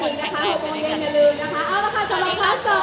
โมงเย็นอย่าลืมนะคะ